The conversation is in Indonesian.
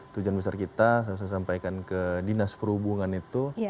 tujuan besar kita saya sampaikan ke dinas perhubungan itu